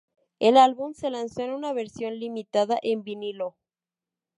El álbum se lanzó en una versión limitada en vinilo.